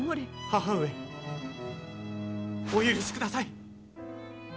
母上お許しください！